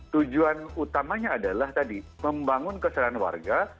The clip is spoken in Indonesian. tujuan utamanya adalah tadi membangun keserahan warga